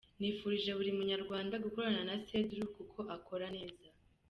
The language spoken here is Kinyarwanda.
Nifurije buri munyarwanda gukorana na Cedru kuko akora neza.